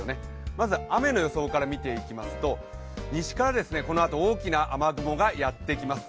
まず雨の予想から見ていきますと、西からこのあと大きな雨雲がやってきます。